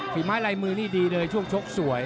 ฝีไม้ลายมือนี่ดีเลยช่วงชกสวย